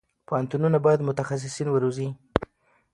پوهنتونونه باید متخصصین وروزي.